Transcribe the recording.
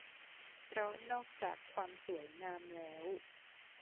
เพราะนอกจากความสวยงามแล้ว